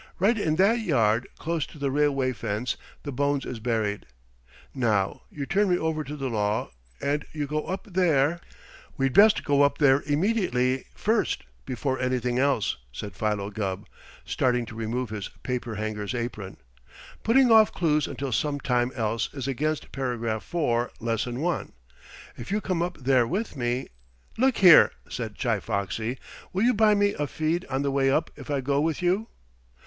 Right in that yard, close to the railway fence, the bones is buried. Now, you turn me over to the law, and you go up there " "We'd best go up there immediately first before anything else," said Philo Gubb, starting to remove his paper hanger's apron. "Putting off clues until sometime else is against Paragraph Four, Lesson One. If you come up there with me " "Look here," said Chi Foxy, "will you buy me a feed on the way up if I go with you?"